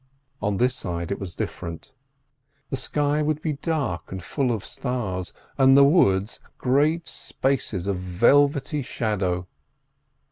On this side it was different. The sky would be dark and full of stars, and the woods, great spaces of velvety shadow.